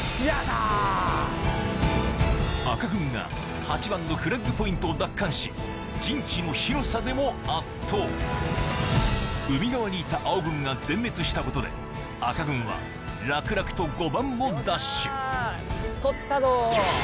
赤軍が８番のフラッグポイントを奪還し陣地の広さでも圧倒海側にいた青軍が全滅したことで赤軍は楽々と５番も奪取取ったど！